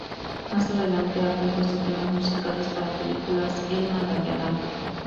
Más adelante han compuesto temas musicales para películas en Malayalam.